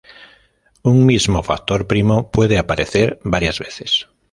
Un mismo factor primo puede aparecer varias veces.